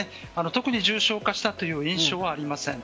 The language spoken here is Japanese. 特に重症化したという印象はありません。